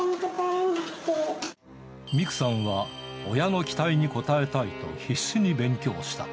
ミクさんは親の期待に応えたいと必死に勉強した。